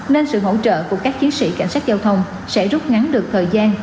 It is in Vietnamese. nên sự hỗ trợ của các chiến sĩ cảnh sát giao thông sẽ rút ngắn được thời gian